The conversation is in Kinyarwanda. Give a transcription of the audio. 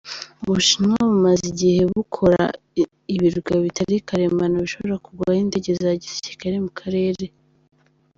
Ubushinwa bumaze igihe bukora ibirwa bitari karemano bishobora kugwaho indege za gisirikari mu karere.